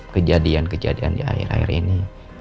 kejadian kejadian di akhir akhir ini